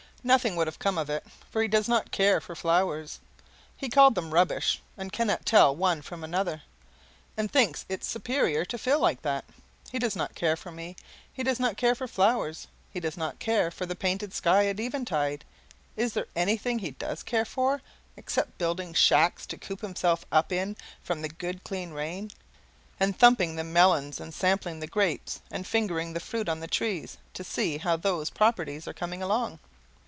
Nothing would have come of it, for he does not care for flowers. He called them rubbish, and cannot tell one from another, and thinks it is superior to feel like that. He does not care for me, he does not care for flowers, he does not care for the painted sky at eventide is there anything he does care for, except building shacks to coop himself up in from the good clean rain, and thumping the melons, and sampling the grapes, and fingering the fruit on the trees, to see how those properties are coming along?